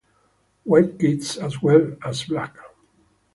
White kids as well as black.